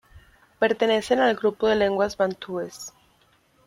Pertenecen al grupo de lenguas bantúes.